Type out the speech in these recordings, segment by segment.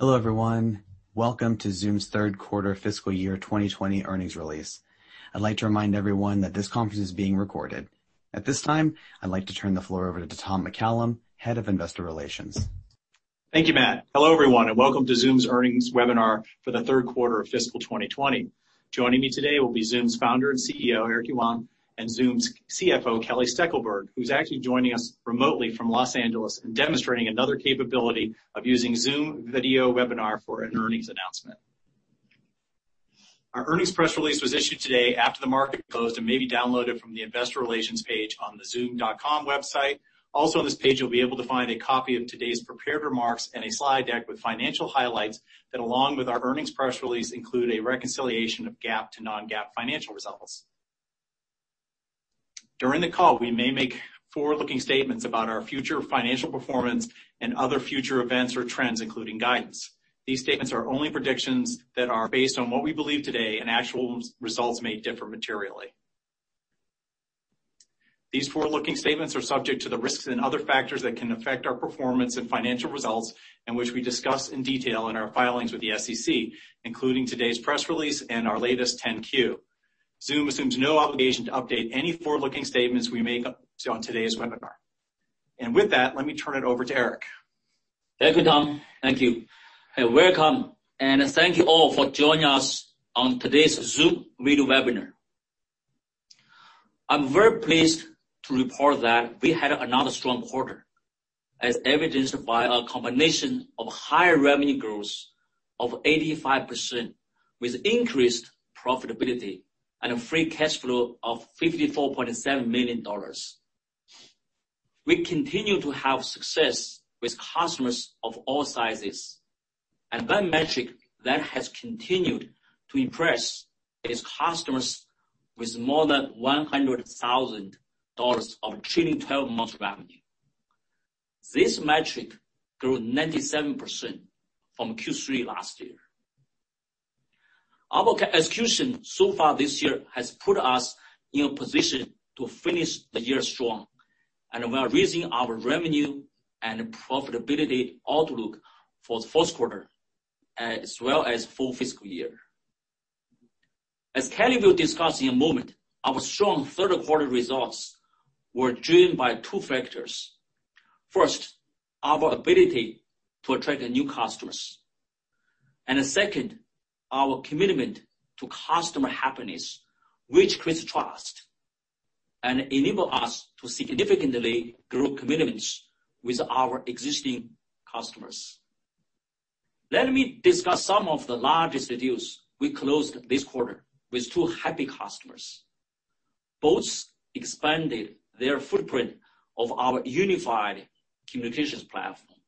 Hello, everyone. Welcome to Zoom's third quarter fiscal year 2020 earnings release. I'd like to remind everyone that this conference is being recorded. At this time, I'd like to turn the floor over to Tom McCallum, Head of Investor Relations. Thank you, Matt. Hello, everyone, and welcome to Zoom's earnings webinar for the third quarter of fiscal 2020. Joining me today will be Zoom's founder and CEO, Eric Yuan, and Zoom's CFO, Kelly Steckelberg, who's actually joining us remotely from Los Angeles and demonstrating another capability of using Zoom video webinar for an earnings announcement. Our earnings press release was issued today after the market closed and may be downloaded from the investor relations page on the zoom.com website. On this page, you'll be able to find a copy of today's prepared remarks and a slide deck with financial highlights that, along with our earnings press release, include a reconciliation of GAAP to non-GAAP financial results. During the call, we may make forward-looking statements about our future financial performance and other future events or trends, including guidance. These statements are only predictions that are based on what we believe today, and actual results may differ materially. These forward-looking statements are subject to the risks and other factors that can affect our performance and financial results, and which we discuss in detail in our filings with the SEC, including today's press release and our latest 10-Q. Zoom assumes no obligation to update any forward-looking statements we make on today's webinar. With that, let me turn it over to Eric. Thank you, Tom. Thank you. Welcome, and thank you all for joining us on today's Zoom video webinar. I'm very pleased to report that we had another strong quarter, as evidenced by a combination of higher revenue growth of 85%, with increased profitability and a free cash flow of $54.7 million. We continue to have success with customers of all sizes. By metric that has continued to impress is customers with more than $100,000 of trailing 12-month revenue. This metric grew 97% from Q3 last year. Our execution so far this year has put us in a position to finish the year strong. We're raising our revenue and profitability outlook for the fourth quarter, as well as full fiscal year. As Kelly will discuss in a moment, our strong third quarter results were driven by two factors. First, our ability to attract new customers. Second, our commitment to customer happiness, which creates trust and enable us to significantly grow commitments with our existing customers. Let me discuss some of the largest deals we closed this quarter with two happy customers. Both expanded their footprint of our unified communications platform.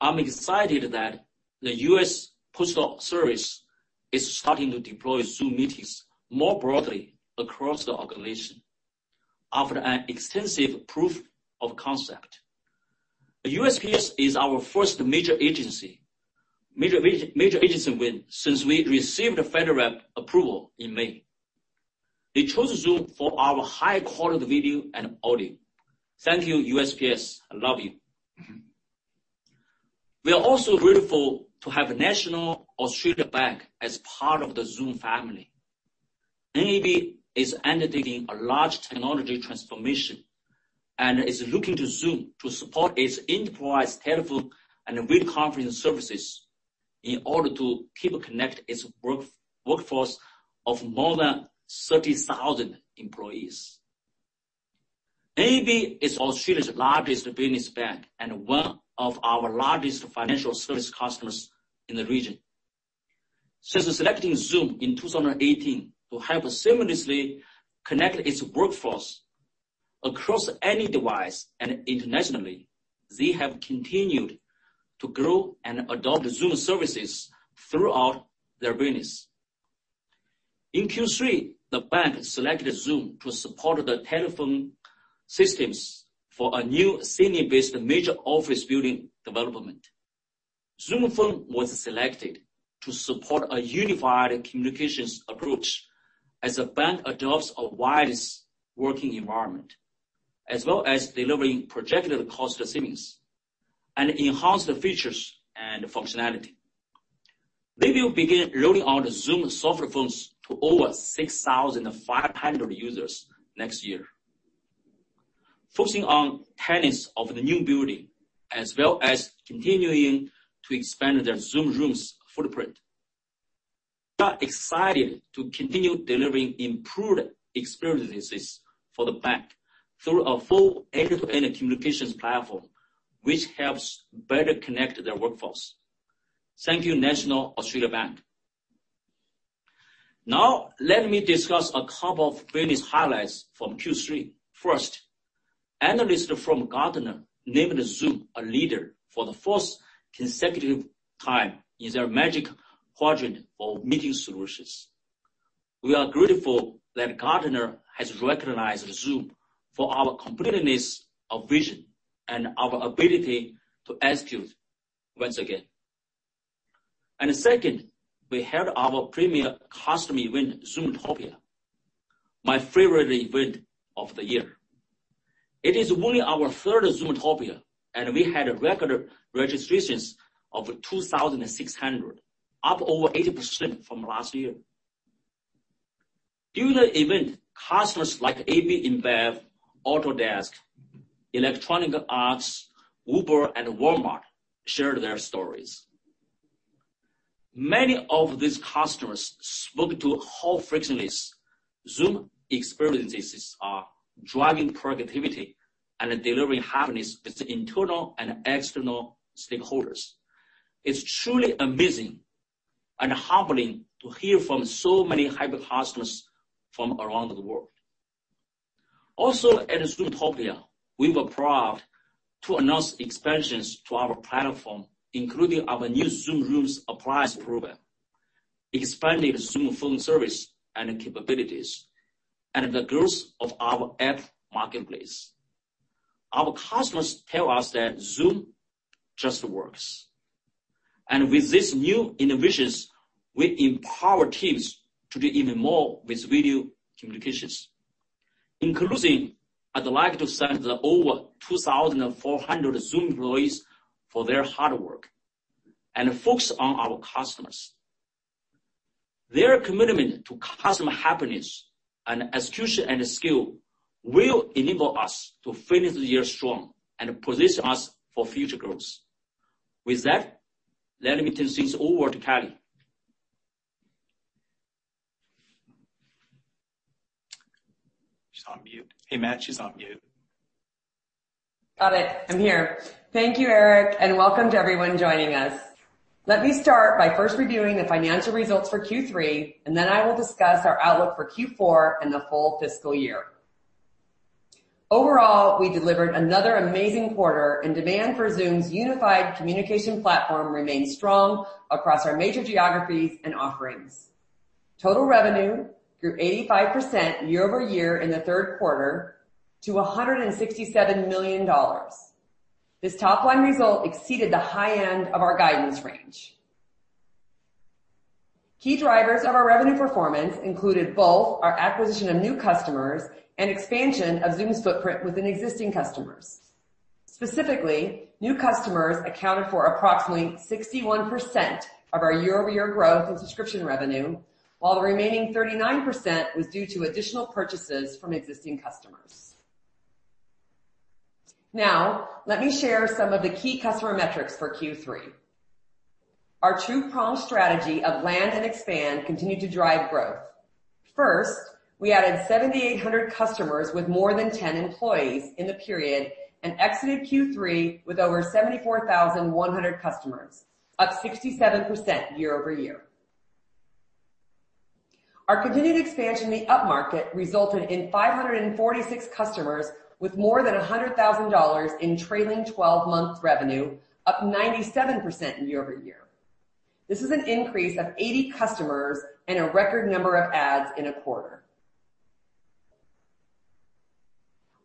I'm excited that the U.S. Postal Service is starting to deploy Zoom Meetings more broadly across the organization after an extensive proof of concept. USPS is our first major agency win since we received FedRAMP approval in May. They chose Zoom for our high-quality video and audio. Thank you, USPS. I love you. We are also grateful to have National Australia Bank as part of the Zoom family. NAB is undertaking a large technology transformation and is looking to Zoom to support its enterprise telephone and video conference services in order to keep connect its workforce of more than 30,000 employees. NAB is Australia's largest business bank and one of our largest financial service customers in the region. Since selecting Zoom in 2018 to help seamlessly connect its workforce across any device and internationally, they have continued to grow and adopt Zoom services throughout their business. In Q3, the bank selected Zoom to support the telephone systems for a new Sydney-based major office building development. Zoom Phone was selected to support a unified communications approach as the bank adopts a wide working environment, as well as delivering projected cost savings and enhanced features and functionality. They will begin rolling out Zoom software phones to over 6,500 users next year. Focusing on tenants of the new building, as well as continuing to expand their Zoom Rooms footprint. We are excited to continue delivering improved experiences for the bank through a full end-to-end communications platform, which helps better connect their workforce. Thank you, National Australia Bank. Now, let me discuss a couple of business highlights from Q3. First, analysts from Gartner named Zoom a leader for the fourth consecutive time in their Magic Quadrant for meeting solutions. We are grateful that Gartner has recognized Zoom for our completeness of vision and our ability to execute once again. Second, we held our premier customer event, Zoomtopia, my favorite event of the year. It is only our third Zoomtopia, and we had record registrations of 2,600, up over 80% from last year. During the event, customers like AB InBev, Autodesk, Electronic Arts, Uber, and Walmart shared their stories. Many of these customers spoke to how frictionless Zoom experiences are driving productivity and delivering happiness with internal and external stakeholders. It's truly amazing and humbling to hear from so many happy customers from around the world. Also, at Zoomtopia, we were proud to announce expansions to our platform including our new Zoom Rooms Appliance program, expanded Zoom Phone service and capabilities, and the growth of our App Marketplace. Our customers tell us that Zoom just works. With these new innovations, we empower teams to do even more with video communications. In closing, I'd like to thank the over 2,400 Zoom employees for their hard work and focus on our customers. Their commitment to customer happiness and execution and skill will enable us to finish the year strong and position us for future growth. With that, let me turn things over to Kelly. She's on mute. Hey, Matt, she's on mute. Got it. I'm here. Thank you, Eric, and welcome to everyone joining us. Let me start by first reviewing the financial results for Q3, and then I will discuss our outlook for Q4 and the full fiscal year. Overall, we delivered another amazing quarter, and demand for Zoom's unified communication platform remains strong across our major geographies and offerings. Total revenue grew 85% year-over-year in the third quarter to $167 million. This top-line result exceeded the high end of our guidance range. Key drivers of our revenue performance included both our acquisition of new customers and expansion of Zoom's footprint within existing customers. Specifically, new customers accounted for approximately 61% of our year-over-year growth in subscription revenue, while the remaining 39% was due to additional purchases from existing customers. Now, let me share some of the key customer metrics for Q3. Our two-pronged strategy of land and expand continued to drive growth. First, we added 7,800 customers with more than 10 employees in the period and exited Q3 with over 74,100 customers, up 67% year-over-year. Our continued expansion in the upmarket resulted in 546 customers with more than $100,000 in trailing 12-month revenue, up 97% year-over-year. This is an increase of 80 customers and a record number of adds in a quarter.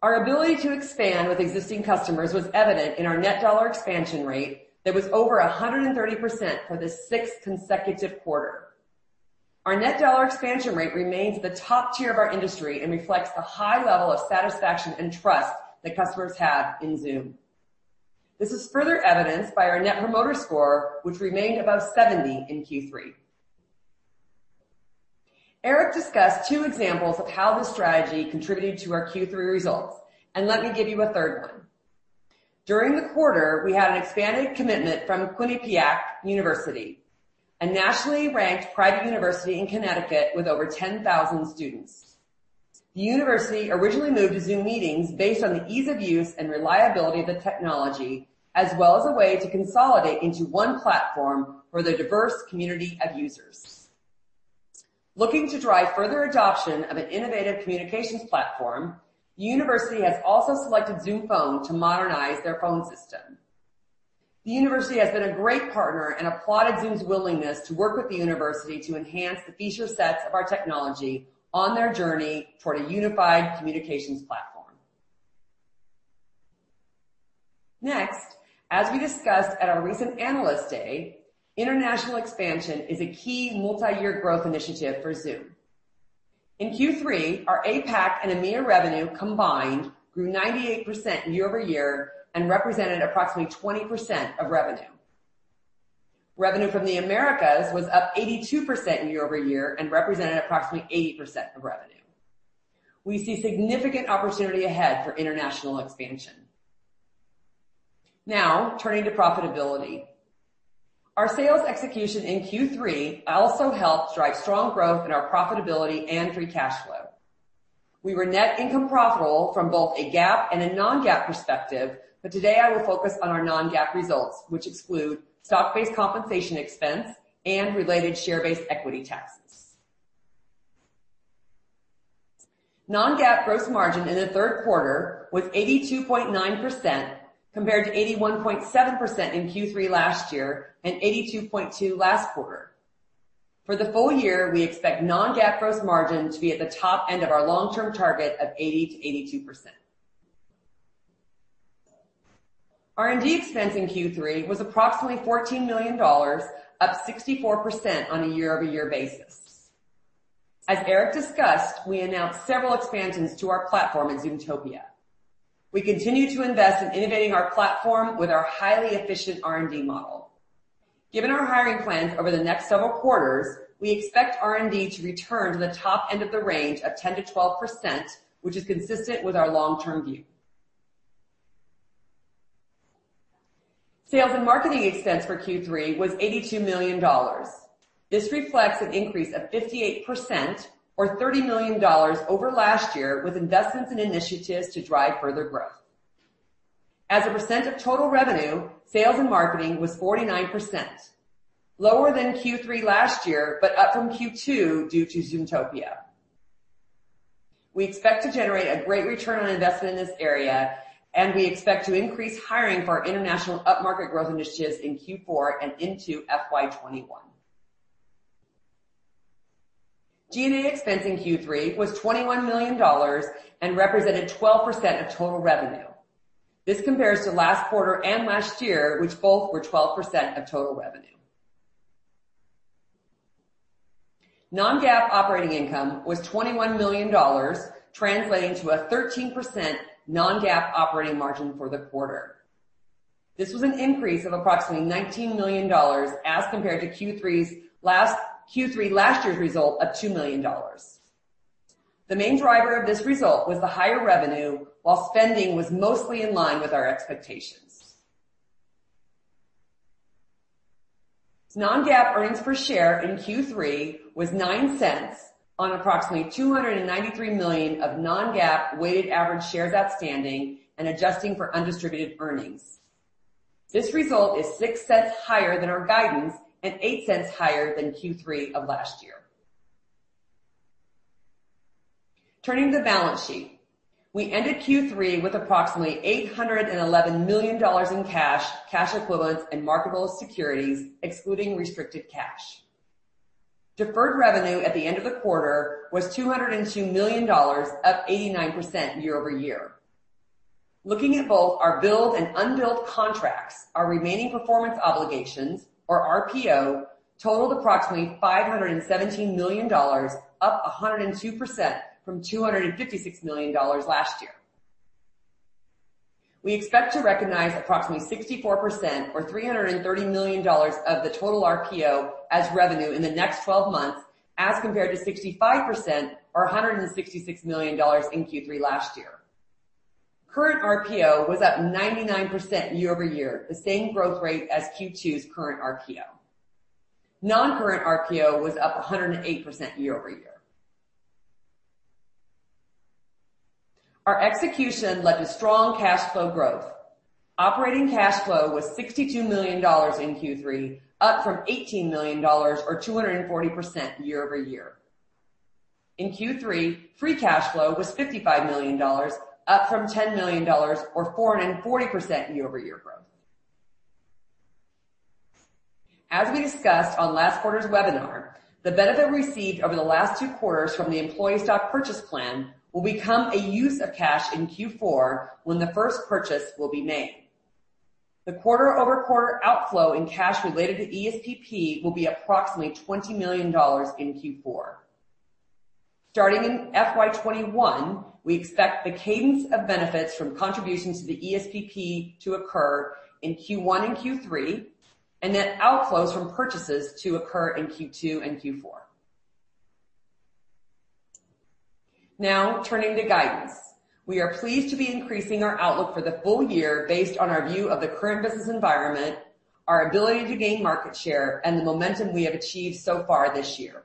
Our ability to expand with existing customers was evident in our net dollar expansion rate that was over 130% for the sixth consecutive quarter. Our net dollar expansion rate remains at the top tier of our industry and reflects the high level of satisfaction and trust that customers have in Zoom. This is further evidenced by our Net Promoter Score, which remained above 70 in Q3. Eric discussed two examples of how this strategy contributed to our Q3 results, and let me give you a three one. During the quarter, we had an expanded commitment from Quinnipiac University, a nationally ranked private university in Connecticut with over 10,000 students. The university originally moved to Zoom Meetings based on the ease of use and reliability of the technology, as well as a way to consolidate into one platform for their diverse community of users. Looking to drive further adoption of an innovative communications platform, the university has also selected Zoom Phone to modernize their phone system. The university has been a great partner and applauded Zoom's willingness to work with the university to enhance the feature sets of our technology on their journey toward a unified communications platform. Next, as we discussed at our recent Analyst Day, international expansion is a key multi-year growth initiative for Zoom. In Q3, our APAC and EMEA revenue combined grew 98% year-over-year and represented approximately 20% of revenue. Revenue from the Americas was up 82% year-over-year and represented approximately 80% of revenue. We see significant opportunity ahead for international expansion. Turning to profitability. Our sales execution in Q3 also helped drive strong growth in our profitability and free cash flow. We were net income profitable from both a GAAP and a non-GAAP perspective. Today I will focus on our non-GAAP results, which exclude stock-based compensation expense and related share-based equity taxes. Non-GAAP gross margin in the third quarter was 82.9%, compared to 81.7% in Q3 last year and 82.2% last quarter. For the full year, we expect non-GAAP gross margin to be at the top end of our long-term target of 80%-82%. R&D expense in Q3 was approximately $14 million, up 64% on a year-over-year basis. As Eric discussed, we announced several expansions to our platform at Zoomtopia. We continue to invest in innovating our platform with our highly efficient R&D model. Given our hiring plans over the next several quarters, we expect R&D to return to the top end of the range of 10%-12%, which is consistent with our long-term view. Sales and marketing expense for Q3 was $82 million. This reflects an increase of 58%, or $30 million over last year, with investments and initiatives to drive further growth. As a % of total revenue, sales and marketing was 49%, lower than Q3 last year, but up from Q2 due to Zoomtopia. We expect to generate a great return on investment in this area, and we expect to increase hiring for our international upmarket growth initiatives in Q4 and into FY 2021. G&A expense in Q3 was $21 million and represented 12% of total revenue. This compares to last quarter and last year, which both were 12% of total revenue. Non-GAAP operating income was $21 million, translating to a 13% non-GAAP operating margin for the quarter. This was an increase of approximately $19 million as compared to Q3 last year's result of $2 million. The main driver of this result was the higher revenue, while spending was mostly in line with our expectations. Non-GAAP earnings per share in Q3 was $0.09 on approximately 293 million of non-GAAP weighted average shares outstanding and adjusting for undistributed earnings. This result is $0.06 higher than our guidance and $0.08 higher than Q3 of last year. Turning to the balance sheet. We ended Q3 with approximately $811 million in cash equivalents, and marketable securities, excluding restricted cash. Deferred revenue at the end of the quarter was $202 million, up 89% year-over-year. Looking at both our billed and unbilled contracts, our remaining performance obligations, or RPO, totaled approximately $517 million, up 102% from $256 million last year. We expect to recognize approximately 64%, or $330 million, of the total RPO as revenue in the next 12 months, as compared to 65%, or $166 million, in Q3 last year. Current RPO was up 99% year-over-year, the same growth rate as Q2's current RPO. Non-current RPO was up 108% year-over-year. Our execution led to strong cash flow growth. Operating cash flow was $62 million in Q3, up from $18 million or 240% year-over-year. In Q3, free cash flow was $55 million, up from $10 million or 440% year-over-year growth. As we discussed on last quarter's webinar, the benefit received over the last two quarters from the employee stock purchase plan will become a use of cash in Q4 when the first purchase will be made. The quarter-over-quarter outflow in cash related to ESPP will be approximately $20 million in Q4. Starting in FY 2021, we expect the cadence of benefits from contributions to the ESPP to occur in Q1 and Q3, outflows from purchases to occur in Q2 and Q4. Turning to guidance. We are pleased to be increasing our outlook for the full year based on our view of the current business environment, our ability to gain market share, and the momentum we have achieved so far this year.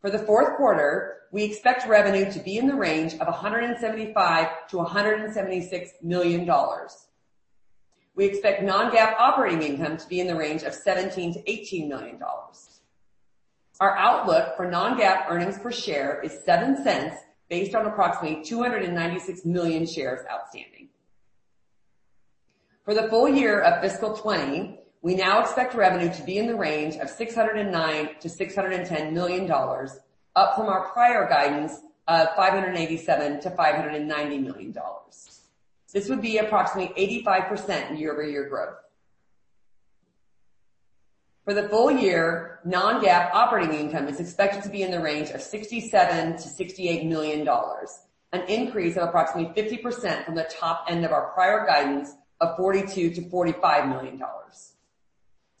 For the fourth quarter, we expect revenue to be in the range of $175 million-$176 million. We expect non-GAAP operating income to be in the range of $17 million-$18 million. Our outlook for non-GAAP earnings per share is $0.07 based on approximately 296 million shares outstanding. For the full year of fiscal 2020, we now expect revenue to be in the range of $609 million-$610 million, up from our prior guidance of $587 million-$590 million. This would be approximately 85% year-over-year growth. For the full year, non-GAAP operating income is expected to be in the range of $67 million-$68 million, an increase of approximately 50% from the top end of our prior guidance of $42 million-$45 million.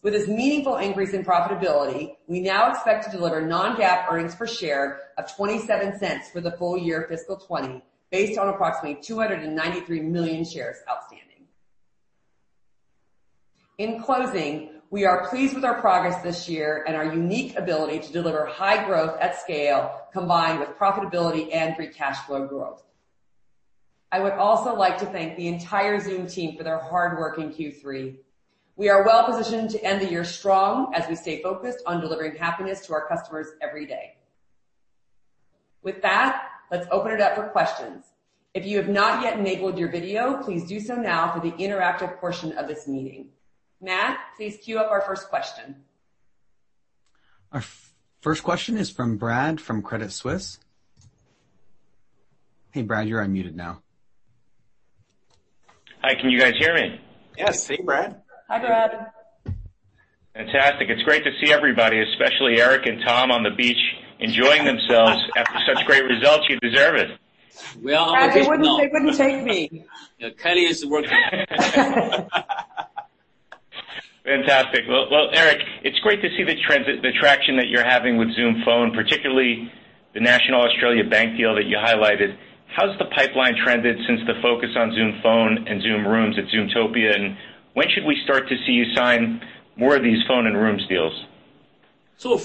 With this meaningful increase in profitability, I now expect to deliver non-GAAP earnings per share of $0.27 for the full year fiscal 2020, based on approximately 293 million shares outstanding. In closing, we are pleased with our progress this year and our unique ability to deliver high growth at scale, combined with profitability and free cash flow growth. I would also like to thank the entire Zoom team for their hard work in Q3. We are well positioned to end the year strong as we stay focused on delivering happiness to our customers every day. With that, let's open it up for questions. If you have not yet enabled your video, please do so now for the interactive portion of this meeting. Matt, please queue up our first question. Our first question is from Brad from Credit Suisse. Hey, Brad, you're unmuted now. Hi, can you guys hear me? Yes. Hey, Brad. Hi, Brad. Fantastic. It's great to see everybody, especially Eric and Tom on the beach enjoying themselves after such great results. You deserve it. We are on vacation now. They wouldn't take me. Kelly is working. Fantastic. Well, Eric, it's great to see the traction that you're having with Zoom Phone, particularly the National Australia Bank deal that you highlighted. How's the pipeline trended since the focus on Zoom Phone and Zoom Rooms at Zoomtopia, and when should we start to see you sign more of these phone and rooms deals?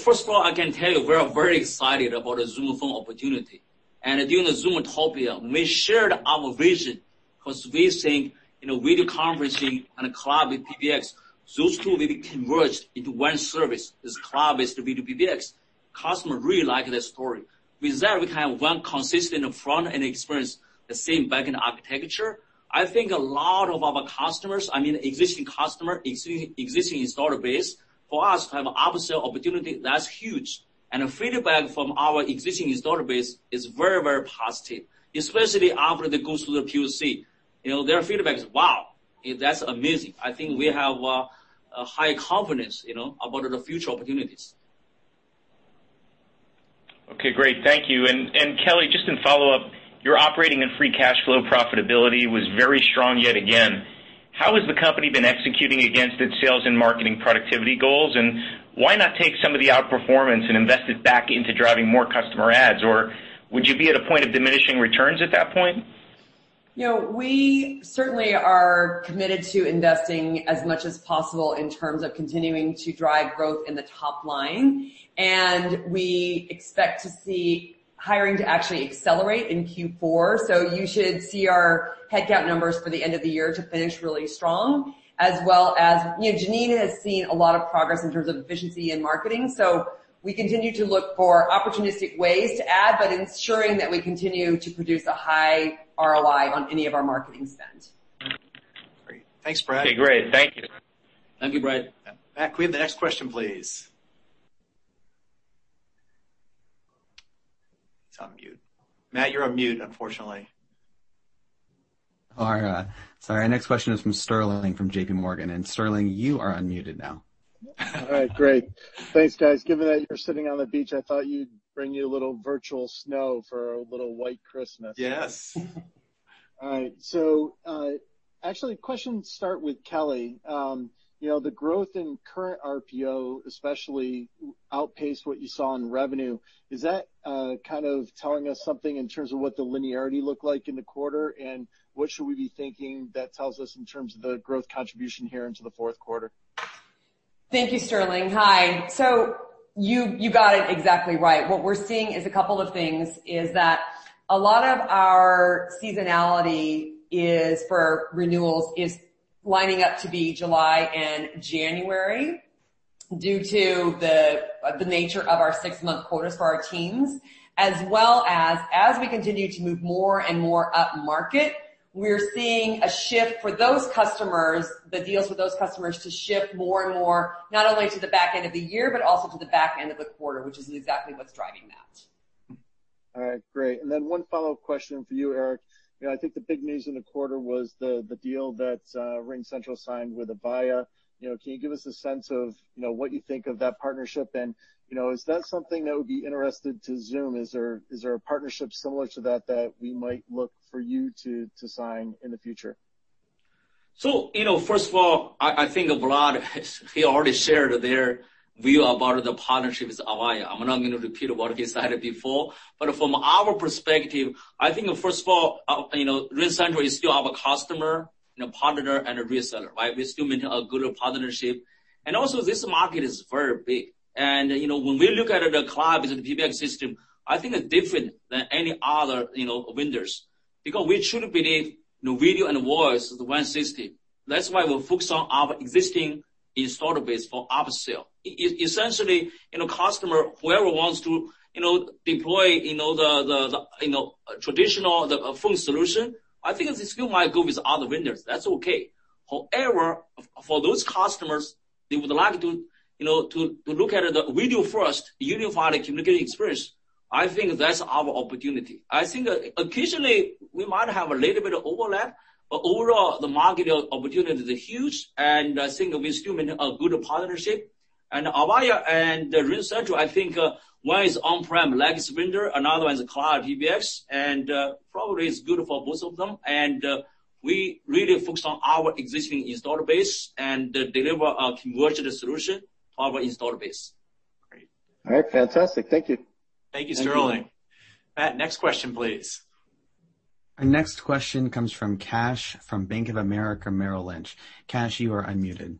First of all, I can tell you we are very excited about the Zoom Phone opportunity. During Zoomtopia, we shared our vision because we think video conferencing and a cloud with PBX, those two will be converged into one service. As cloud is to be the PBX, customers really like that story. With that, we can have one consistent front-end experience, the same back-end architecture. I think a lot of our customers, existing customer, existing installer base, for us to have upsell opportunity, that's huge. The feedback from our existing installer base is very positive, especially after they go through the POC. Their feedback is, "Wow, that's amazing." I think we have a high confidence about the future opportunities. Okay, great. Thank you. Kelly, just in follow-up, your operating and free cash flow profitability was very strong yet again. How has the company been executing against its sales and marketing productivity goals? Why not take some of the outperformance and invest it back into driving more customer adds? Would you be at a point of diminishing returns at that point? We certainly are committed to investing as much as possible in terms of continuing to drive growth in the top line. We expect to see hiring to actually accelerate in Q4. You should see our headcount numbers for the end of the year to finish really strong, as well as Janine has seen a lot of progress in terms of efficiency in marketing. We continue to look for opportunistic ways to add, but ensuring that we continue to produce a high ROI on any of our marketing spend. Great. Thanks, Brad. Okay, great. Thank you. Thank you, Brad. Matt, can we have the next question, please? It's on mute. Matt, you're on mute, unfortunately. Sorry. Our next question is from Sterling from JPMorgan. Sterling, you are unmuted now. All right, great. Thanks, guys. Given that you're sitting on the beach, I thought you'd bring you a little virtual snow for a little white Christmas. Yes. All right. Actually, question to start with Kelly. The growth in current RPO, especially outpaced what you saw in revenue. Is that kind of telling us something in terms of what the linearity looked like in the quarter, and what should we be thinking that tells us in terms of the growth contribution here into the fourth quarter? Thank you, Sterling. Hi. You got it exactly right. What we're seeing is a couple of things, is that a lot of our seasonality is for renewals, is lining up to be July and January due to the nature of our six-month quarters for our teams. As well as we continue to move more and more up market, we're seeing a shift for those customers, the deals with those customers to shift more and more, not only to the back end of the year, but also to the back end of the quarter, which is exactly what's driving that. All right, great. Then one follow-up question for you, Eric. I think the big news in the quarter was the deal that RingCentral signed with Avaya. Can you give us a sense of what you think of that partnership, and is that something that would be interesting to Zoom? Is there a partnership similar to that that we might look for you to sign in the future? First of all, I think Vlad, he already shared their view about the partnership with Avaya. I am not going to repeat what he said before. From our perspective, I think first of all, RingCentral is still our customer, partner, and a reseller. We still maintain a good partnership. Also, this market is very big. When we look at the cloud as a PBX system, I think it is different than any other vendors, because we truly believe video and voice is one system. That is why we focus on our existing installer base for upsell. Essentially, customer, whoever wants to deploy the traditional phone solution, I think they still might go with other vendors. That is okay. However, for those customers, they would like to look at the video-first unified communications experience. I think that is our opportunity. I think occasionally we might have a little bit of overlap, but overall, the market opportunity is huge, and I think we still maintain a good partnership. Avaya and RingCentral, I think, one is on-prem legacy vendor, another one is a cloud PBX, and probably is good for both of them. We really focus on our existing installer base and deliver a converged solution to our installer base. Great. All right, fantastic. Thank you. Thank you, Sterling. Matt, next question, please. Our next question comes from Kash from Bank of America Merrill Lynch. Kash, you are unmuted.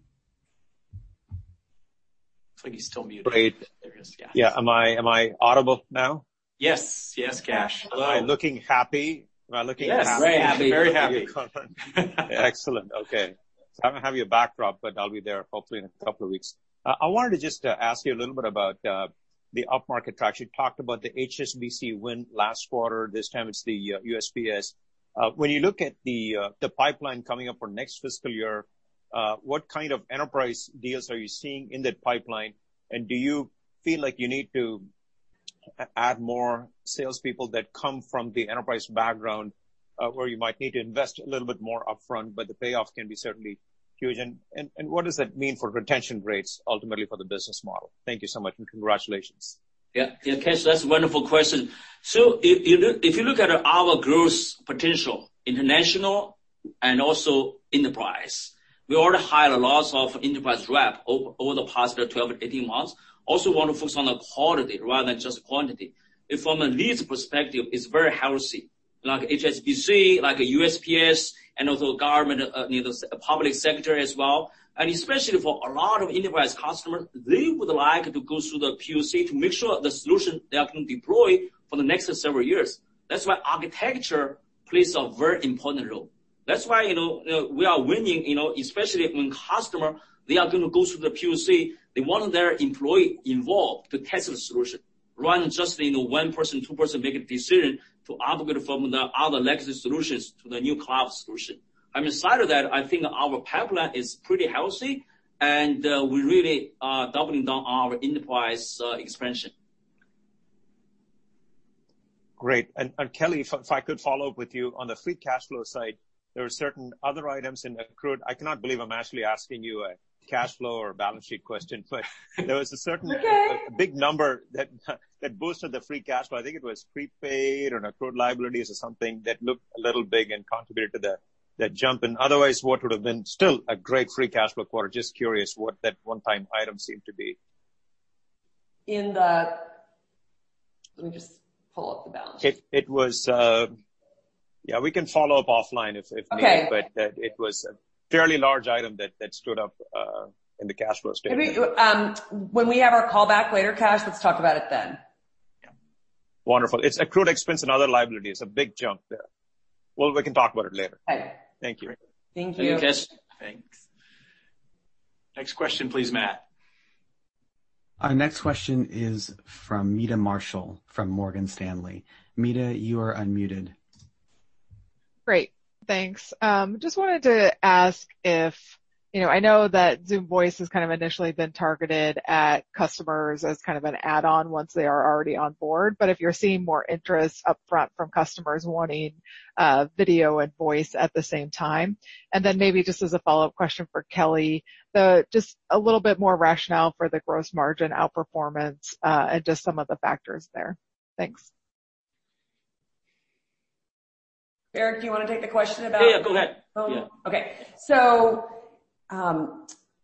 Looks like he's still muted. Great. There is Kash. Yeah, am I audible now? Yes. Yes, Kash. Hello. Am I looking happy? Am I looking happy? Yes, very happy. Very happy. Excellent. Okay. I don't have your backdrop, but I'll be there hopefully in a couple of weeks. I wanted to just ask you a little bit about the upmarket traction. Talk about the HSBC win last quarter, this time it's the USPS. When you look at the pipeline coming up for next fiscal year, what kind of enterprise deals are you seeing in that pipeline? Do you feel like you need to add more salespeople that come from the enterprise background, where you might need to invest a little bit more upfront, but the payoff can be certainly huge. What does that mean for retention rates, ultimately, for the business model? Thank you so much, and congratulations. Yeah. Kash, that's a wonderful question. If you look at our growth potential, international and also enterprise, we already hired a lot of enterprise reps over the past 12, 18 months. Also want to focus on the quality rather than just quantity. From a leads perspective, it's very healthy. Like HSBC, like USPS, and also government, public sector as well, and especially for a lot of enterprise customers, they would like to go through the POC to make sure the solution they are going to deploy for the next several years. That's why architecture plays a very important role. That's why we are winning, especially when customer, they are going to go through the POC, they want their employee involved to test the solution, rather than just the one person, two person making decision to upgrade from the other legacy solutions to the new cloud solution. Aside of that, I think our pipeline is pretty healthy, and we really are doubling down our enterprise expansion. Great. Kelly, if I could follow up with you on the free cash flow side, there were certain other items in accrued. I cannot believe I'm actually asking you a cash flow or balance sheet question, but. It's okay. There was a certain big number that boosted the free cash flow. I think it was prepaid or accrued liabilities or something that looked a little big and contributed to that jump in. Otherwise, what would have been still a great free cash flow quarter. Just curious what that one-time item seemed to be. Let me just pull up the balance sheet. It was, yeah, we can follow up offline if need be. Okay. It was a fairly large item that stood up in the cash flow statement. When we have our call back later, Kash, let's talk about it then. Yeah. Wonderful. It's accrued expense and other liabilities, a big jump there. We can talk about it later. Okay. Thank you. Thank you. Thank you, Kash. Thanks. Next question, please, Matt. Our next question is from Meta Marshall from Morgan Stanley. Meta, you are unmuted. Great. Thanks. Just wanted to ask if, I know that Zoom Voice has kind of initially been targeted at customers as kind of an add-on once they are already on board, but if you're seeing more interest up front from customers wanting video and voice at the same time. Maybe just as a follow-up question for Kelly, just a little bit more rationale for the gross margin outperformance, and just some of the factors there. Thanks. Eric, do you want to take the question about- Yeah, go ahead. Yeah. Okay.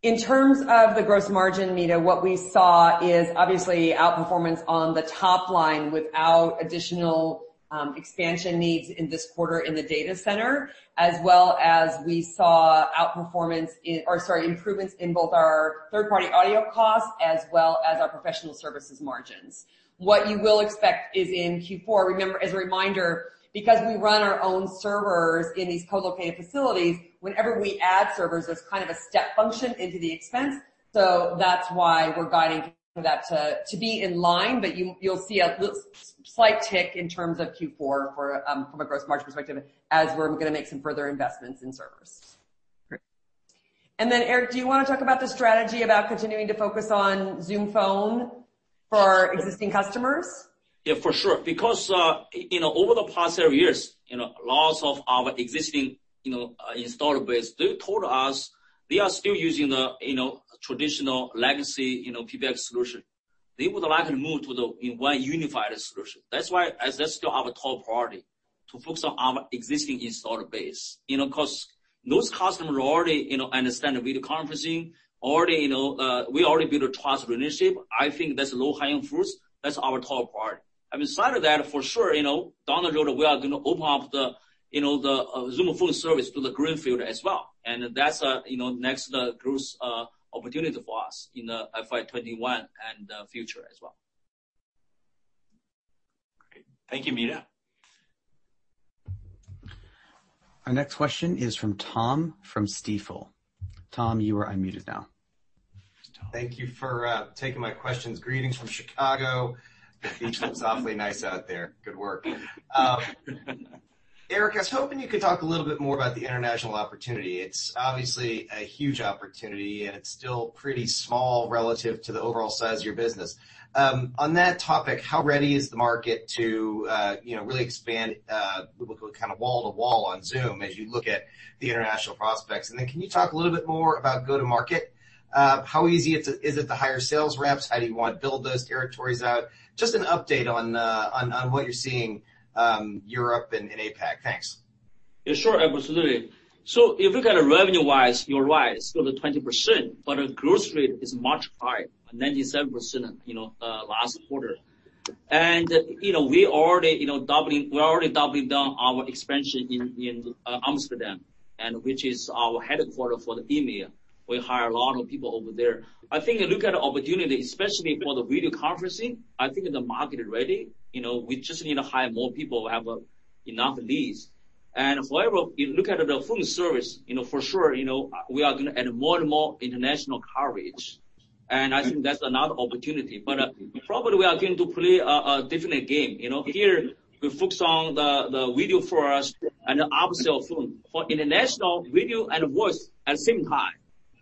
In terms of the gross margin, Meta, what we saw is obviously outperformance on the top line without additional expansion needs in this quarter in the data center, as well as we saw improvements in both our third-party audio costs as well as our professional services margins. What you will expect is in Q4, remember, as a reminder, because we run our own servers in these co-located facilities, whenever we add servers, there's kind of a step function into the expense. That's why we're guiding for that to be in line. You'll see a slight tick in terms of Q4 from a gross margin perspective as we're going to make some further investments in servers. Great. Eric, do you want to talk about the strategy about continuing to focus on Zoom Phone for existing customers? Yeah, for sure. Over the past several years, lots of our existing installed base, they told us they are still using the traditional legacy PBX solution. They would like to move to the one unified solution. That's why that's still our top priority, to focus on our existing installed base. Those customers already understand the video conferencing, we already built a trust relationship. I think that's low-hanging fruits. That's our top priority. Aside of that, for sure, down the road, we are going to open up the Zoom Phone service to the greenfield as well. That's next growth opportunity for us in FY 2021 and future as well. Great. Thank you, Meta. Our next question is from Tom from Stifel. Tom, you are unmuted now. Thank you for taking my questions. Greetings from Chicago. The beach looks awfully nice out there. Good work. Eric, I was hoping you could talk a little bit more about the international opportunity. It's obviously a huge opportunity, and it's still pretty small relative to the overall size of your business. On that topic, how ready is the market to really expand kind of wall to wall on Zoom as you look at the international prospects? Can you talk a little bit more about go-to-market? How easy is it to hire sales reps? How do you want to build those territories out? Just an update on what you're seeing Europe and in APAC. Thanks. Yeah, sure. Absolutely. If you look at it revenue-wise, you're right, it's still at 20%, but our growth rate is much higher, at 97%, last quarter. We're already doubling down our expansion in Amsterdam, which is our headquarter for the EMEA. We hire a lot of people over there. I think look at the opportunity, especially for the video conferencing, I think the market is ready. We just need to hire more people, have enough leads. Wherever you look at the phone service, for sure, we are going to add more and more international coverage. I think that's another opportunity. Probably we are going to play a different game. Here, we focus on the video for us and the upsell phone. For international video and voice at the same time,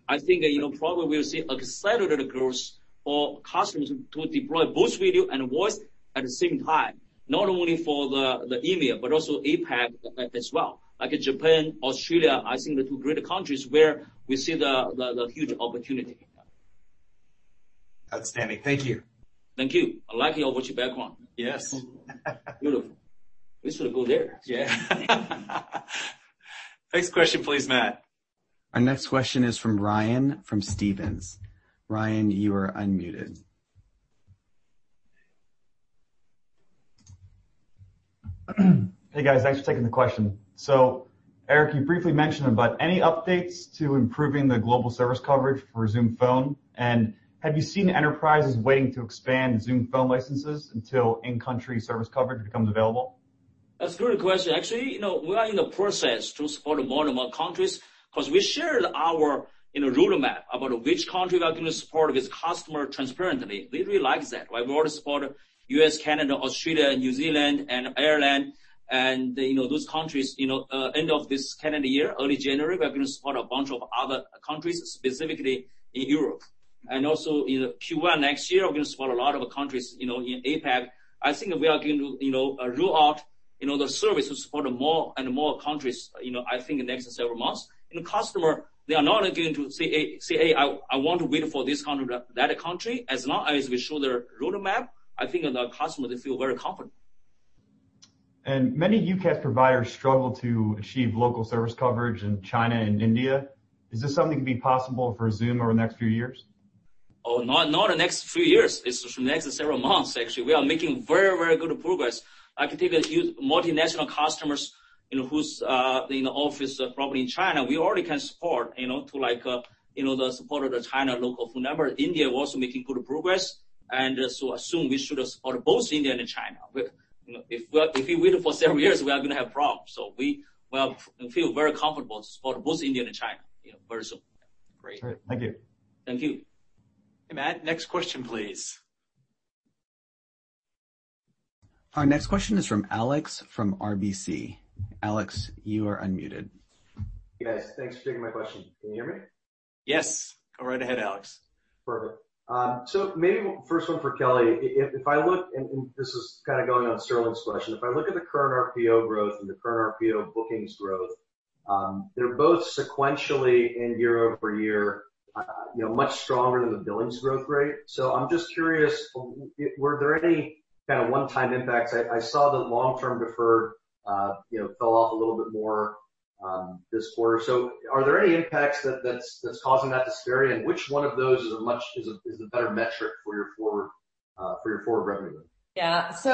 I think, probably we'll see accelerated growth for customers to deploy both video and voice at the same time, not only for the EMEA but also APAC as well. Like Japan, Australia, I think the two great countries where we see the huge opportunity. Outstanding. Thank you. Thank you. I like your virtual background. Yes. Beautiful. We should go there. Yeah. Next question, please, Matt. Our next question is from Ryan from Stephens. Ryan, you are unmuted. Hey, guys. Thanks for taking the question. Eric, you briefly mentioned about any updates to improving the global service coverage for Zoom Phone. Have you seen enterprises waiting to expand Zoom Phone licenses until in-country service coverage becomes available? That's a good question. Actually, we are in the process to support more and more countries because we shared our roadmap about which country we are going to support with customer transparently. They really like that. We already support U.S., Canada, Australia, New Zealand, and Ireland, and those countries. End of this calendar year, early January, we're going to support a bunch of other countries, specifically in Europe. In Q1 next year, we're going to support a lot of countries in APAC. I think we are going to roll out the services for more and more countries, I think in the next several months. Customer, they are not going to say, "Hey, I want to wait for that country." As long as we show the roadmap, I think the customers feel very confident. Many UCaaS providers struggle to achieve local service coverage in China and India. Is this something to be possible for Zoom over the next few years? Oh, not the next few years. It's the next several months, actually. We are making very, very good progress. I can think of huge multinational customers whose office probably in China, we already can support to the support of the China local phone number. India, we're also making good progress. Soon we should support both India and China. If we wait for several years, we are going to have problems. We feel very comfortable to support both India and China very soon. Great. Thank you. Thank you. Hey, Matt, next question, please. Our next question is from Alex from RBC. Alex, you are unmuted. Hey, guys. Thanks for taking my question. Can you hear me? Yes. Go right ahead, Alex. Perfect. Maybe first one for Kelly. If I look, and this is kind of going on Sterling's question. If I look at the current RPO growth and the current RPO bookings growth, they're both sequentially in year-over-year much stronger than the billings growth rate. I'm just curious, were there any kind of one-time impacts? I saw the long-term deferred fell off a little bit more this quarter. Are there any impacts that's causing that disparity? Which one of those is a better metric for your forward revenue? Yeah. As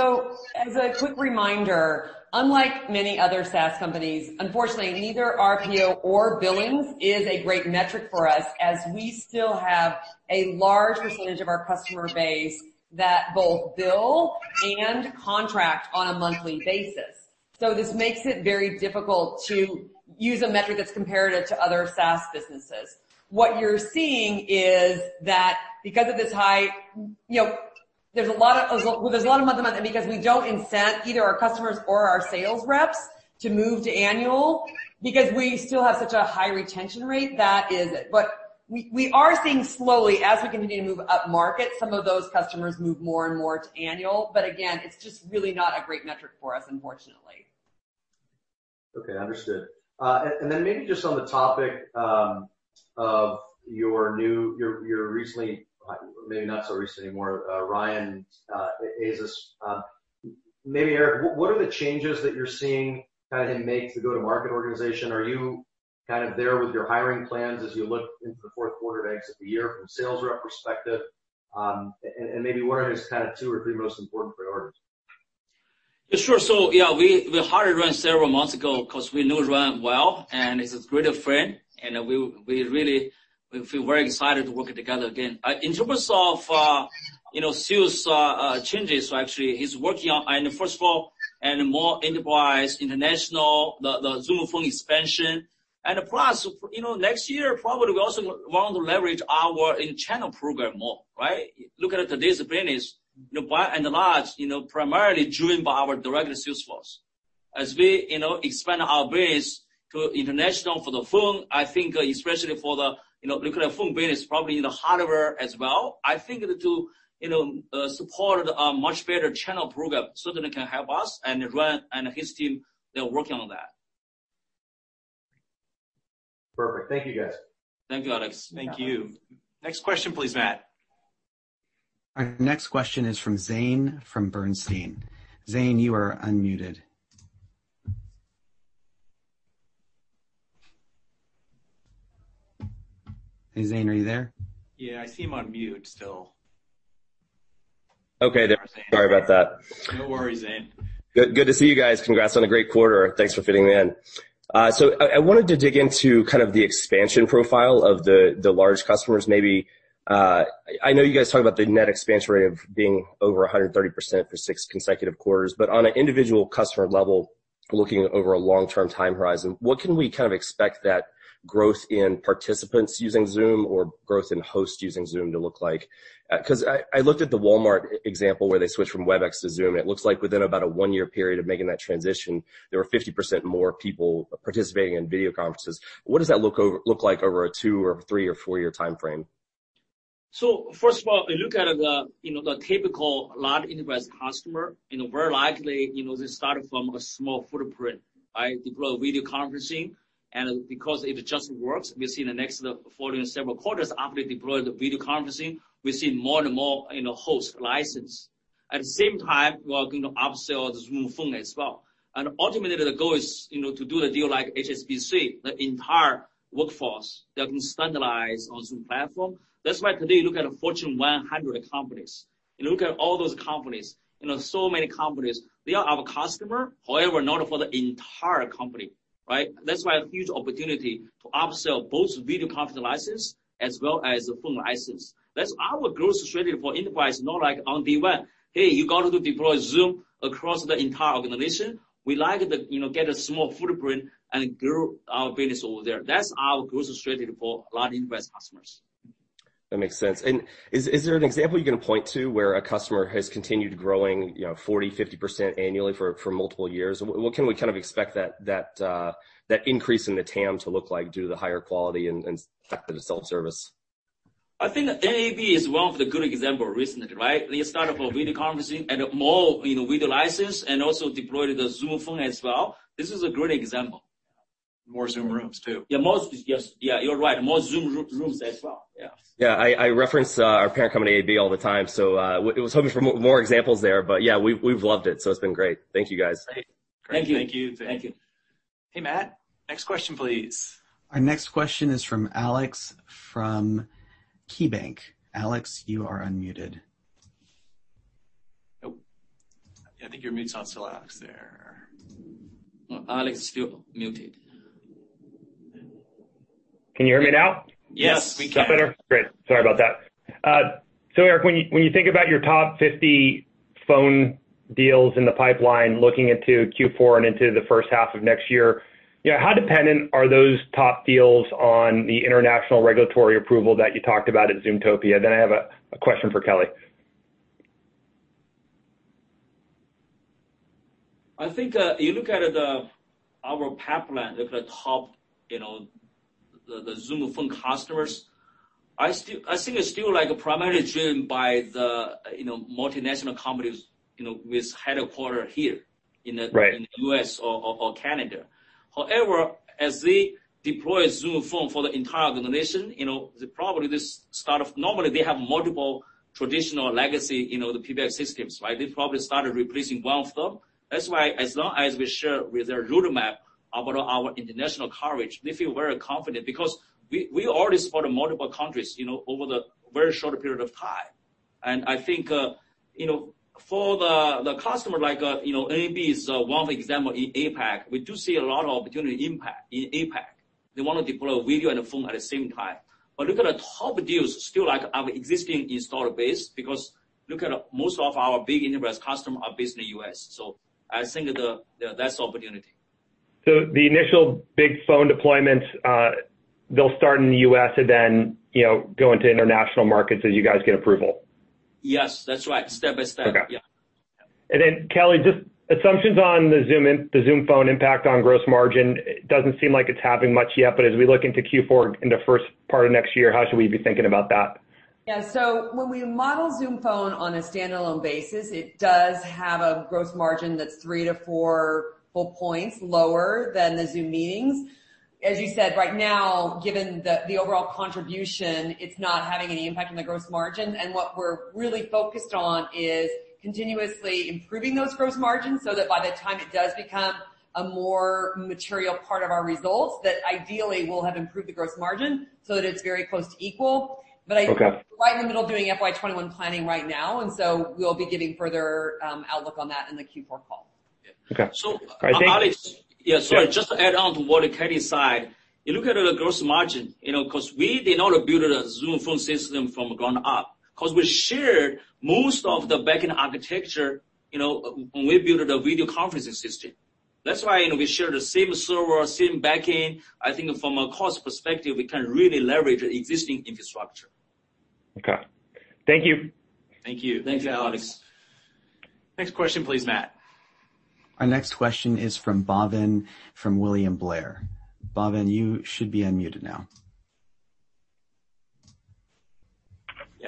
a quick reminder, unlike many other SaaS companies, unfortunately, neither RPO nor billings is a great metric for us, as we still have a large percentage of our customer base that both bill and contract on a monthly basis. This makes it very difficult to use a metric that's comparative to other SaaS businesses. What you're seeing is that because of the type, there's a lot of month-to-month because we don't incent either our customers or our sales reps to move to annual, because we still have such a high retention rate. That is it. We are seeing slowly as we continue to move up market, some of those customers move more and more to annual. Again, it's just really not a great metric for us, unfortunately. Okay, understood. Maybe just on the topic of your recently, maybe not so recent anymore, Ryan Azus. Maybe Eric, what are the changes that you're seeing him make to go-to-market organization? Are you there with your hiring plans as you look into the fourth quarter to exit the year from a sales rep perspective? Maybe what are his two or three most important priorities? Yeah, sure. Yeah, we hired Ryan several months ago because we know Ryan well, and he's a great friend. We feel very excited to work together again. In terms of sales changes, actually, he's working on, first of all, more enterprise international, the Zoom Phone expansion. Plus, next year, probably we also want to leverage our in-channel program more, right? Looking at today's business, by and large, primarily driven by our direct sales force. As we expand our base to international for the phone, I think especially for the phone business, probably in the hardware as well. I think to support a much better channel program so that it can help us, and Ryan and his team, they're working on that. Perfect. Thank you, guys. Thank you, Alex. Thank you. Next question, please, Matt. Our next question is from Zane from Bernstein. Zane, you are unmuted. Hey, Zane, are you there? Yeah, I see him on mute still. Okay, there. Sorry about that. No worries, Zane. Good to see you guys. Congrats on a great quarter. Thanks for fitting me in. I wanted to dig into the expansion profile of the large customers, maybe. I know you guys talk about the net expansion rate of being over 130% for six consecutive quarters, but on an individual customer level, looking over a long-term time horizon, what can we expect that growth in participants using Zoom or growth in hosts using Zoom to look like? I looked at the Walmart example where they switched from Webex to Zoom. It looks like within about a one-year period of making that transition, there were 50% more people participating in video conferences. What does that look like over a two- or three- or four-year timeframe? First of all, you look at the typical large enterprise customer, very likely, they started from a small footprint, deploy video conferencing, and because it just works, we see in the next following several quarters after they deploy the video conferencing, we see more and more host license. At the same time, we are going to upsell the Zoom Phone as well. Ultimately, the goal is to do the deal like HSBC, the entire workforce, they have been standardized on Zoom platform. That's why today you look at Fortune 100 companies, you look at all those companies, so many companies, they are our customer. However, not for the entire company, right? That's why a huge opportunity to upsell both video conference license as well as phone license. That's our growth strategy for enterprise, not like on day one, "Hey, you got to deploy Zoom across the entire organization." We like to get a small footprint and grow our business over there. That's our growth strategy for large enterprise customers. That makes sense. Is there an example you can point to where a customer has continued growing 40%, 50% annually for multiple years? What can we kind of expect that increase in the TAM to look like due to the higher quality and effectiveness of self-service? I think NAB is one of the good example recently, right? They started for video conferencing and more video license and also deployed the Zoom Phone as well. This is a great example. More Zoom Rooms too. Yeah, you're right. More Zoom Rooms as well. Yeah. Yeah. I reference our parent company, AB, all the time. I was hoping for more examples there. Yeah, we've loved it. It's been great. Thank you, guys. Great. Thank you. Thank you. Thank you. Hey, Matt, next question please. Our next question is from Alex from KeyBanc. Alex, you are unmuted. Nope. Yeah, I think your mute's on still, Alex, there. Alex, still muted. Can you hear me now? Yes, we can. Yes. Is that better? Great. Sorry about that. Eric, when you think about your top 50 phone deals in the pipeline looking into Q4 and into the first half of next year, how dependent are those top deals on the international regulatory approval that you talked about at Zoomtopia? I have a question for Kelly. I think you look at our pipeline, look at top, the Zoom Phone customers, I think it's still primarily driven by the multinational companies, with headquarters here. Right U.S. or Canada. However, as they deploy Zoom Phone for the entire organization, they probably just start off, normally, they have multiple traditional legacy, the PBX systems, right? They probably started replacing one of them. That's why, as long as we share with their roadmap about our international coverage, they feel very confident because we already support multiple countries, over the very short period of time. I think, for the customer like, NAB is one example in APAC, we do see a lot of opportunity impact in APAC. They want to deploy video and phone at the same time. Look at the top deals still like our existing installer base, because look at most of our big enterprise customer are based in the U.S. So I think there's opportunity. The initial big phone deployments, they'll start in the U.S. and then go into international markets as you guys get approval. Yes, that's right. Step by step. Okay. Yeah. Kelly, just assumptions on the Zoom Phone impact on gross margin, doesn't seem like it's happening much yet, but as we look into Q4, into first part of next year, how should we be thinking about that? Yeah. When we model Zoom Phone on a standalone basis, it does have a gross margin that's 3-4 full points lower than the Zoom Meetings. As you said, right now, given the overall contribution, it's not having any impact on the gross margin, and what we're really focused on is continuously improving those gross margins so that by the time it does become a more material part of our results, that ideally we'll have improved the gross margin so that it's very close to equal. Okay. We're right in the middle of doing FY 2021 planning right now, and so we'll be giving further outlook on that in the Q4 call. Okay. Alex I think- Yeah, sorry. Just to add on to what Kelly said, you look at the gross margin, because we did not build a Zoom Phone system from ground up, because we shared most of the backend architecture, when we built the video conferencing system. That's why we share the same server, same backend. I think from a cost perspective, we can really leverage the existing infrastructure. Okay. Thank you. Thank you. Thank you, Alex. Next question please, Matt. Our next question is from Bhavin from William Blair. Bhavin, you should be unmuted now.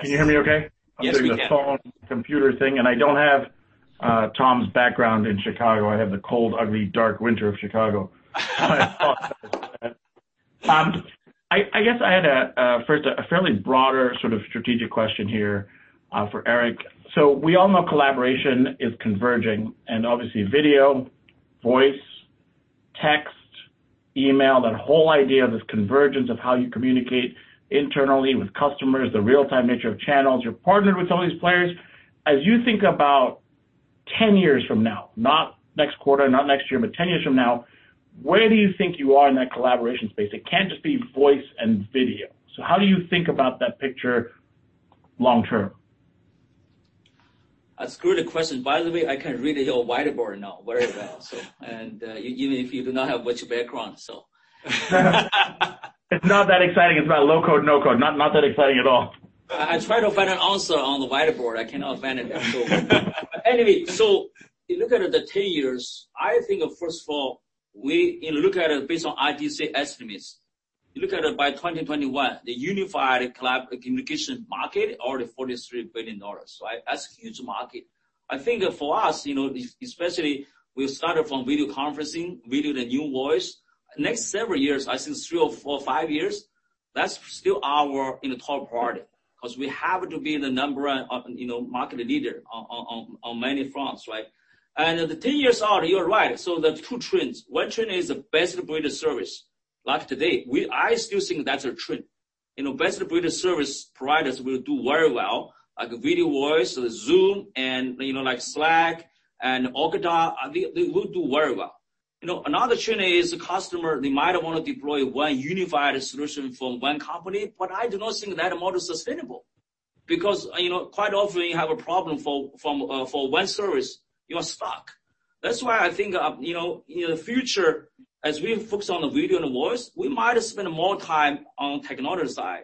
Can you hear me okay? Yes, we can. I'm doing the phone, computer thing, and I don't have Tom's background in Chicago. I have the cold, ugly, dark winter of Chicago. I guess I had a fairly broader sort of strategic question here for Eric. We all know collaboration is converging and obviously video, voice, text, email, that whole idea of this convergence, of how you communicate internally with customers, the real-time nature of channels. You're partnered with all these players. As you think about 10 years from now, not next quarter, not next year, but 10 years from now, where do you think you are in that collaboration space? It can't just be voice and video. How do you think about that picture long term? I screwed the question. By the way, I can read your whiteboard now very well. Even if you do not have virtual background. It's not that exciting. It's about low code, no code. Not that exciting at all. I tried to find an answer on the whiteboard. I cannot find it there. You look at the 10 years, I think first of all, we look at it based on IDC estimates. You look at it by 2021, the unified cloud communication market already $43 billion. That's a huge market. I think for us, especially we started from video conferencing, we did the new voice. Next several years, I think three or four or five years, that's still our top priority, because we have to be the market leader on many fronts, right? The 10 years out, you are right. There are two trends. One trend is best-of-breed service. Like today, I still think that's a trend. Best-of-breed service providers will do very well, like video voice, Zoom, and like Slack, and Okta, they will do very well. Another trend is the customer, they might want to deploy one unified solution from one company, but I do not think that model is sustainable. Because quite often you have a problem for one service, you are stuck. That's why I think, in the future, as we focus on the video and voice, we might spend more time on technology side,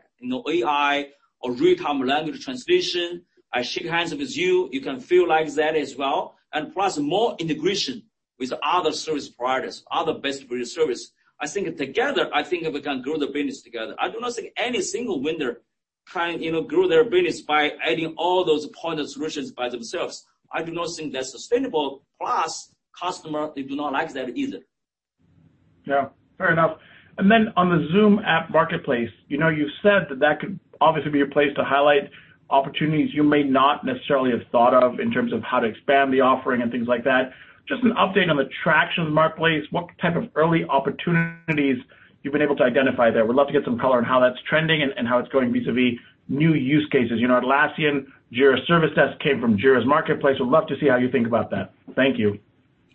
AI or real-time language translation. I shake hands with you can feel like that as well. Plus, more integration with other service providers, other best-of-breed service. I think together, I think we can grow the business together. I do not think any single vendor can grow their business by adding all those point solutions by themselves. I do not think that's sustainable. Plus, customer, they do not like that either. Yeah. Fair enough. On the Zoom App Marketplace, you've said that that could obviously be a place to highlight opportunities you may not necessarily have thought of in terms of how to expand the offering and things like that. Just an update on the traction of the marketplace, what type of early opportunities you've been able to identify there. Would love to get some color on how that's trending and how it's going vis-a-vis new use cases. Atlassian, Jira Service Desk came from Jira's Marketplace. Would love to see how you think about that. Thank you.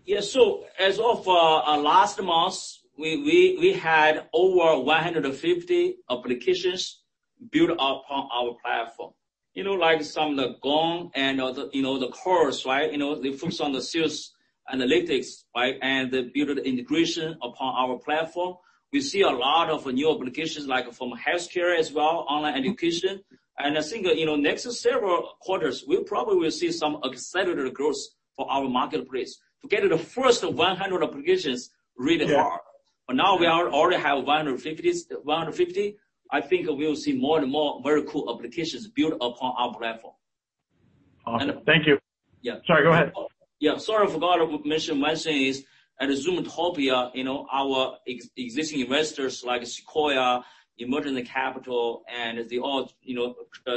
Yeah. As of last month, we had over 150 applications built upon our platform. Like some of the Gong and the Chorus, they focus on the sales analytics and they build the integration upon our platform. We see a lot of new applications like from healthcare as well, online education. I think next several quarters, we probably will see some accelerated growth for our marketplace. To get the first 100 applications, really hard. Yeah. Now we already have 150, I think we'll see more and more very cool applications built upon our platform. Awesome. Thank you. Yeah. Sorry, go ahead. Yeah, sorry, I forgot to mention one thing is at Zoomtopia, our existing investors like Sequoia, Emergence Capital, and they all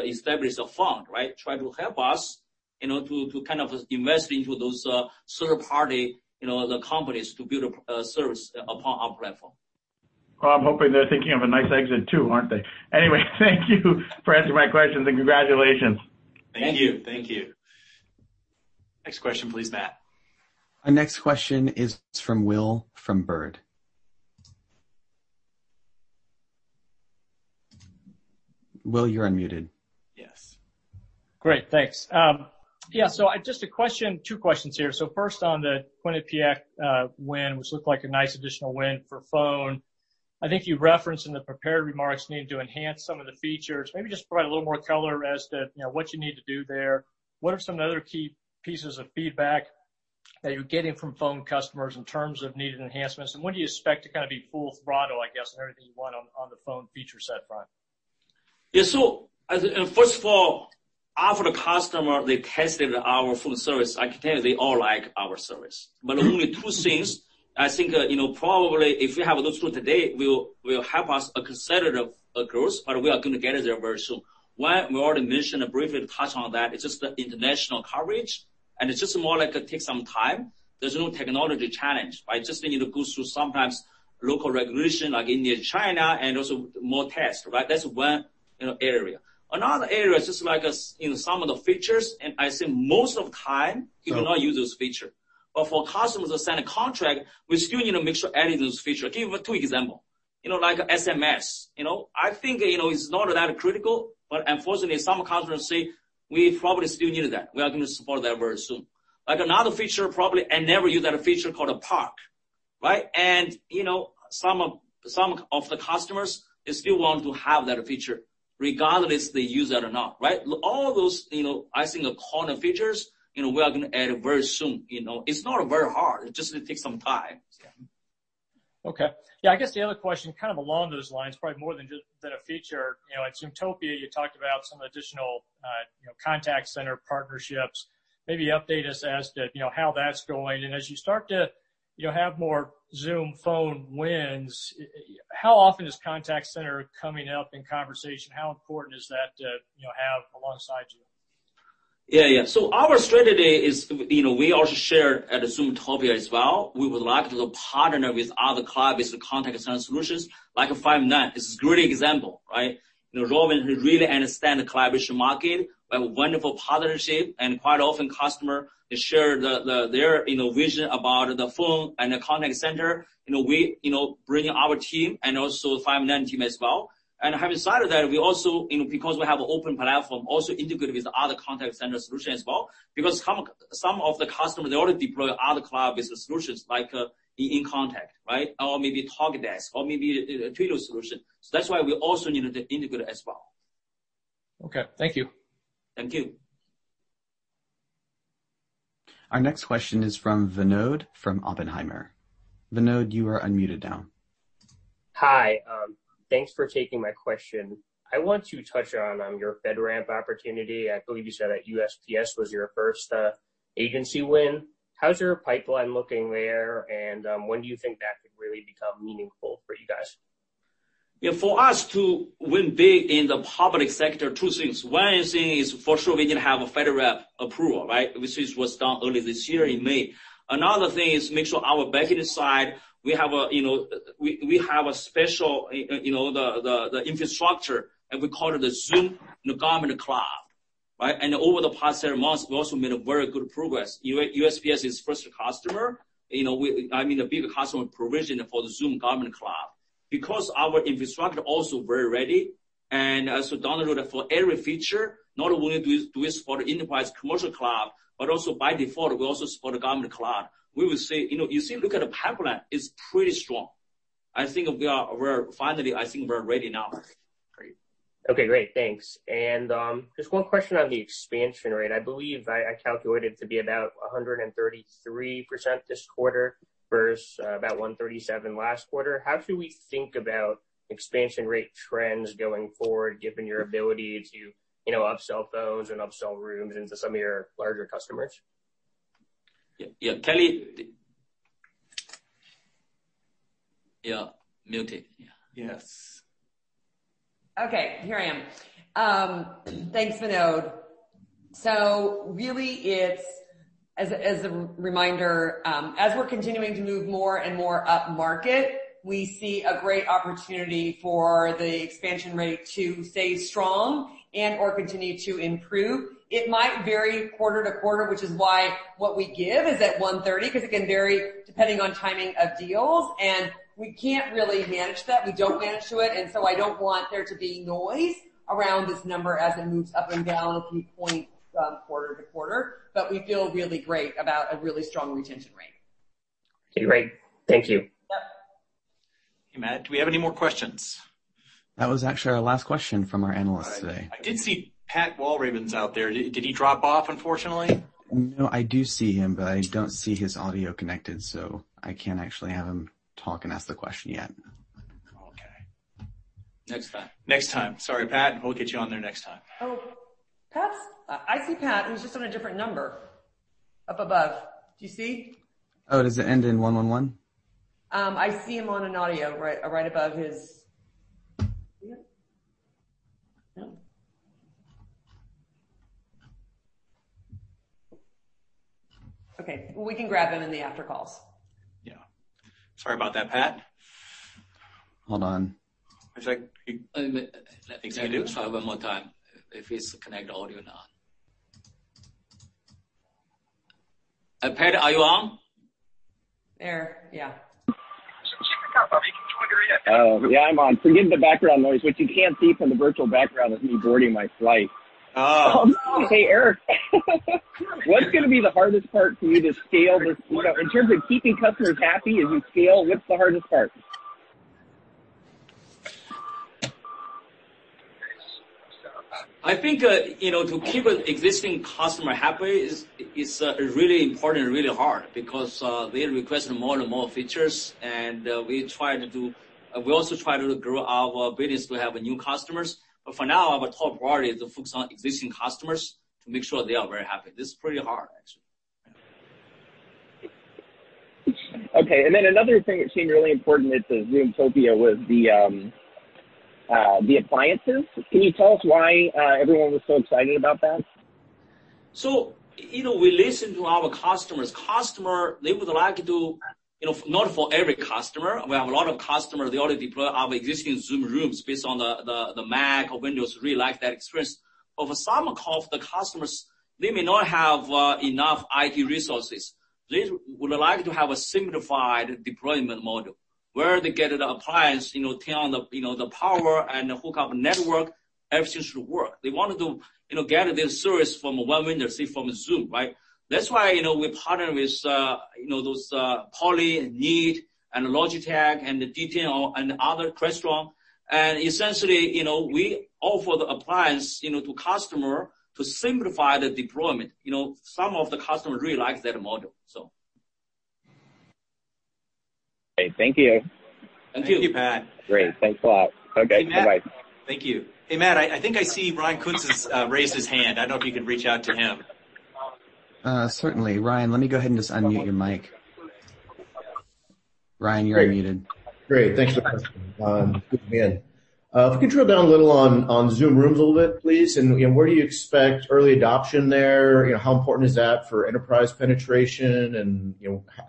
established a fund. Try to help us to kind of invest into those third-party companies to build a service upon our platform. Well, I'm hoping they're thinking of a nice exit too, aren't they? Anyway, thank you for answering my questions, and congratulations. Thank you. Thank you. Next question please, Matt. Our next question is from Will from Baird. Will, you're unmuted. Yes. Great, thanks. Yeah. Just two questions here. First on the Quinnipiac win, which looked like a nice additional win for Phone. I think you referenced in the prepared remarks needing to enhance some of the features. Maybe just provide a little more color as to what you need to do there. What are some of the other key pieces of feedback that you're getting from Phone customers in terms of needed enhancements, and when do you expect to kind of be full throttle, I guess, on everything you want on the Phone feature set front? Yeah. First of all, half of the customer, they tested our phone service. I can tell you they all like our service. Only two things I think, probably, if you have a look through today, will help us accelerate our growth, but we are going to get there very soon. One, we already mentioned briefly touched on that, it's just the international coverage, and it's just more like it takes some time. There's no technology challenge. Just we need to go through sometimes local regulation like India, China, and also more tests. That's one area. Another area is just like in some of the features, and I think most of time you do not use this feature, but for customers to sign a contract, we still need to make sure adding those features. I give you two example. Like SMS. I think it's not that critical, but unfortunately, some customers say we probably still needed that. We are going to support that very soon. Like another feature, probably I never use that feature called Call Park. Some of the customers, they still want to have that feature regardless they use that or not. All those, I think corner features, we are going to add very soon. It's not very hard. It just takes some time. Yeah. Okay. Yeah, I guess the other question kind of along those lines, probably more than just a feature. At Zoomtopia, you talked about some additional contact center partnerships. Maybe update us as to how that's going. As you start to have more Zoom Phone wins, how often is contact center coming up in conversation? How important is that to have alongside Zoom? Yeah. So our strategy is, we also shared at Zoomtopia as well, we would like to partner with other cloud-based contact center solutions. Like Five9 is a great example. Rowan, who really understand the collaboration market, we have a wonderful partnership, and quite often customer, they share their vision about the phone and the contact center. We bring our team and also Five9 team as well. Having said that, we also, because we have open platform, also integrate with other contact center solution as well. Because some of the customers, they already deploy other cloud-based solutions like NICE inContact or maybe Talkdesk or maybe a Twilio solution. That's why we also need to integrate as well. Okay. Thank you. Thank you. Our next question is from Vinod from Oppenheimer. Vinod, you are unmuted now. Hi. Thanks for taking my question. I want to touch on your FedRAMP opportunity. I believe you said that USPS was your first agency win. How's your pipeline looking there, and when do you think that could really become meaningful for you guys? For us to win big in the public sector, two things. One thing is, for sure, we can have a FedRAMP approval, right? Which was done early this year in May. Another thing is make sure our backend side, we have a special infrastructure, we call it the Zoom Government Cloud, right? Over the past several months, we also made a very good progress. USPS is first customer, I mean, a bigger customer provision for the Zoom Government Cloud. Our infrastructure also very ready, as we downloaded for every feature, not only do this for the enterprise commercial cloud, but also by default, we also support the government cloud. You see, look at the pipeline, it's pretty strong. I think finally, I think we're ready now. Great. Okay, great. Thanks. Just one question on the expansion rate. I believe I calculated to be about 133% this quarter versus about 137% last quarter. How should we think about expansion rate trends going forward, given your ability to upsell those and upsell Rooms into some of your larger customers? Yeah. Kelly? Yeah. Muted. Yeah. Yes. Okay. Here I am. Thanks, Vinod. Really, as a reminder, as we're continuing to move more and more upmarket, we see a great opportunity for the expansion rate to stay strong and/or continue to improve. It might vary quarter to quarter, which is why what we give is at 130%, because it can vary depending on timing of deals, and we can't really manage that. We don't manage to it, and so I don't want there to be noise around this number as it moves up and down a few points from quarter to quarter. We feel really great about a really strong retention rate. Okay, great. Thank you. Yep. Hey, Matt, do we have any more questions? That was actually our last question from our analysts today. All right. I did see Pat Walravens out there. Did he drop off unfortunately? No, I do see him, but I don't see his audio connected, so I can't actually have him talk and ask the question yet. Okay. Next time. Sorry, Pat. We'll get you on there next time. Oh, I see Pat, he's just on a different number. Up above. Do you see? Oh, does it end in one one one? I see him on an audio right above his. Yep. No. Okay. We can grab him in the after calls. Yeah. Sorry about that, Pat. Hold on. Would you like me to- One more time if he's connect audio or not. Pat, are you on? There, yeah. I'm making joiner, yeah. Oh, yeah, I'm on. Forgive the background noise, which you can't see from the virtual background of me boarding my flight. Oh. Hey, Eric. What's going to be the hardest part for you to scale this, in terms of keeping customers happy as you scale, what's the hardest part? I think, to keep an existing customer happy is really important and really hard because they request more and more features, and we also try to grow our business to have new customers. For now, our top priority is to focus on existing customers to make sure they are very happy. This is pretty hard, actually. Okay. Another thing that seemed really important at the Zoomtopia was the appliances. Can you tell us why everyone was so excited about that? We listen to our customers. Not for every customer, we have a lot of customers, they already deploy our existing Zoom Rooms based on the Mac or Windows, really like that experience. For some of the customers, they may not have enough IT resources. They would like to have a simplified deployment model, where they get the appliance, turn on the power, and hook up network, everything should work. They want to get their service from one window, say, from Zoom, right? That's why we partner with those Poly, Neat, and Logitech, and the DTEN, and other, Crestron. Essentially, we offer the appliance to customer to simplify the deployment. Some of the customers really like that model. Okay, thank you. Thank you. Thank you, Pat. Great. Thanks a lot. Okay, bye-bye. Hey, Matt. Thank you. Hey, Matt, I think I see Ryan Kunz's raised his hand. I don't know if you can reach out to him. Certainly. Ryan, let me go ahead and just unmute your mic. Ryan, you're unmuted. Great. Thanks for letting me in. If we could drill down a little on Zoom Rooms a little bit, please, and where do you expect early adoption there? How important is that for enterprise penetration?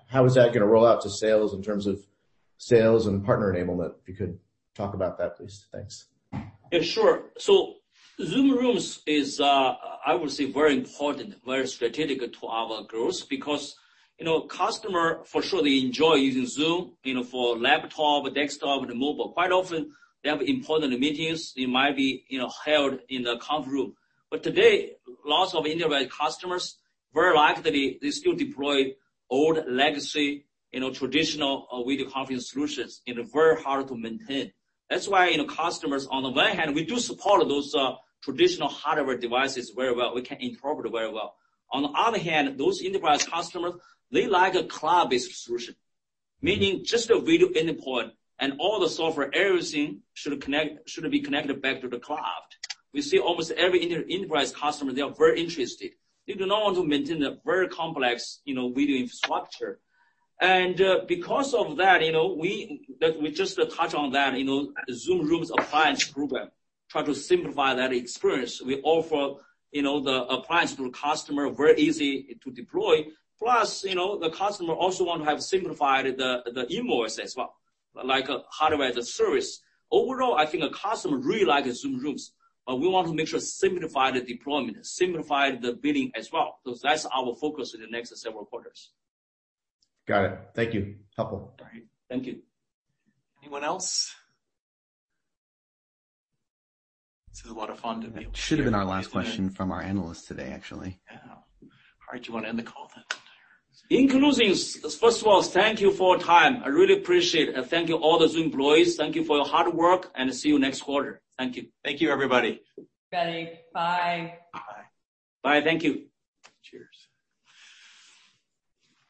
How is that going to roll out to sales in terms of sales and partner enablement? If you could talk about that, please. Thanks. Yeah, sure. Zoom Rooms is, I would say very important, very strategic to our growth because customer, for sure, they enjoy using Zoom for laptop, desktop, and mobile. Quite often, they have important meetings, they might be held in the conference room. Today, lots of enterprise customers, very likely, they still deploy old legacy traditional video conference solutions, and very hard to maintain. That's why customers, on the one hand, we do support those traditional hardware devices very well. We can incorporate very well. On the other hand, those enterprise customers, they like a cloud-based solution, meaning just a video endpoint and all the software, everything should be connected back to the cloud. We see almost every enterprise customer, they are very interested. They do not want to maintain a very complex video infrastructure. Because of that, we just touch on that, Zoom Rooms Appliance group try to simplify that experience. We offer the appliance to the customer, very easy to deploy. The customer also want to have simplified the invoice as well, like a hardware as a service. I think the customer really like the Zoom Rooms, we want to make sure simplify the deployment, simplify the billing as well. That's our focus in the next several quarters. Got it. Thank you. Helpful. All right. Thank you. Anyone else? It's a lot of fun to be with you. That should have been our last question from our analysts today, actually. Yeah. All right, do you want to end the call then? In closing, first of all, thank you for your time. I really appreciate, and thank you all the Zoom employees. Thank you for your hard work, and see you next quarter. Thank you. Thank you, everybody. Bye. Bye. Thank you. Cheers.